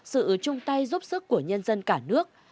sự chung tay giúp sức của nhân dân cả nước